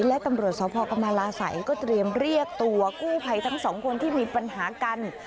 และตำรวจสพกรรมราศัยก็เตรียมเรียกตัวกู้ภัยทั้งสองคนที่มีปัญหากัน